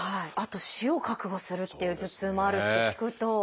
あと死を覚悟するっていう頭痛もあるって聞くと。